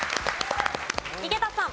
井桁さん。